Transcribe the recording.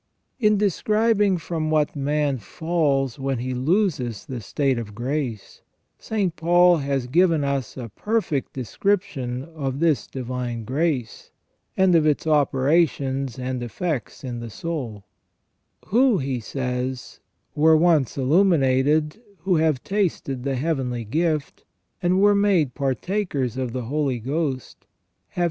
f In describing from what man falls when he loses the state of grace, St. Paul has given us a perfect description of this divine grace, and of its operations and effects in the soul. " Who," he says, "were once illuminated, who have tasted the heavenly gift, and were made partakers of the Holy Ghost, have tasted the * S. Bernard, Serm. 45, De Varia Trinitate Dei et hominis.